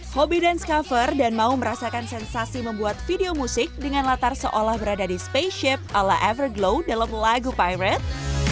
hobi dance cover dan mau merasakan sensasi membuat video musik dengan latar seolah berada di space ship ala everglow dalam lagu pibret